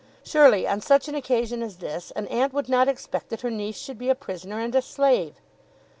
Surely on such an occasion as this an aunt would not expect that her niece should be a prisoner and a slave.